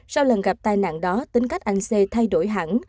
sau lần gặp tai nạn đó tính cách anh c thay đổi hẳn